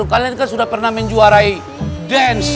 kalian kan sudah pernah menjuarai dance